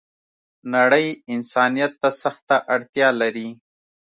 نړۍ انسانيت ته سخته اړتیا لری